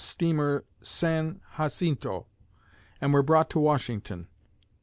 steamer "San Jacinto," and were brought to Washington.